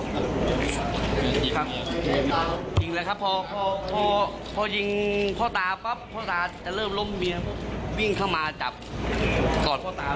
หญิงก็พยายามกินไม่ได้โดนเขาครับ